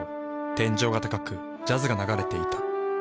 天井が高くジャズが流れていた。